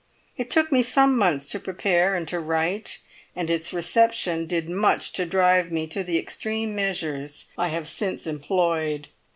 It took me some months to prepare and to write, and its reception did much to drive me to the extreme measures I have since employed.